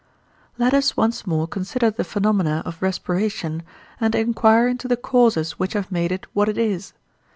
Let us once more consider the phenomena of respiration, and enquire into the causes which have made it what it is.